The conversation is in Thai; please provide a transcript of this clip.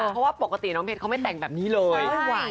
เพราะว่าปกติน้องเพชรเขาไม่แต่งแบบนี้เลย